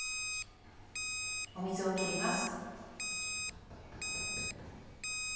水を切ります。